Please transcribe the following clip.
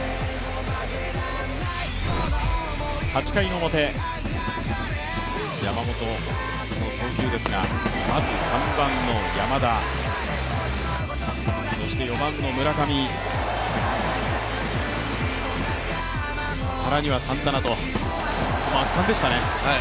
８回の表、山本、この投球ですがまず３番の山田、そして４番の村上、更にはサンタナと圧巻でしたね。